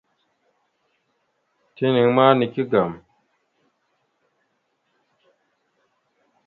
Tina ma nike agam.